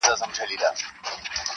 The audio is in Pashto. زندګي هم يو تجربه وه ښه دى تېره سوله,